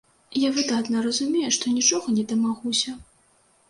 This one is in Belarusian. Я выдатна разумею, што нічога не дамагуся.